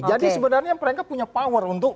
jadi sebenarnya mereka punya power untuk